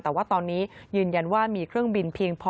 แต่ว่าตอนนี้ยืนยันว่ามีเครื่องบินเพียงพอ